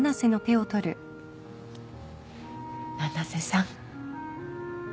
七瀬さん